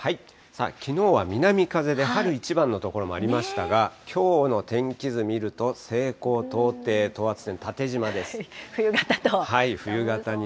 きのうは南風で、春一番の所もありましたが、きょうの天気図見ると、西高東低、等圧線、冬型と。